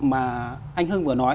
mà anh hưng vừa nói